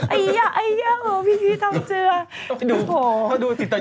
อัยยะพี่ทองเจื้อ